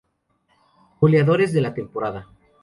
Goleadores de la temporada